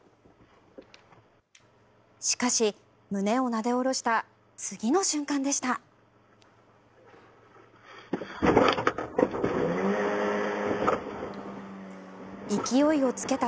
しかし、胸をなで下ろした次の瞬間でした。